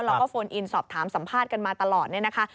แล้วก็โฟนอินสอบถามสัมภาษณ์กันมาตลอดเนี่ยนะคะ